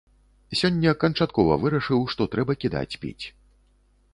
Сёння канчаткова вырашыў, што трэба кідаць піць.